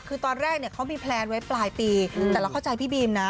คือตอนแรกเนี่ยเขามีแพลนไว้ปลายปีแต่เราเข้าใจพี่บีมนะ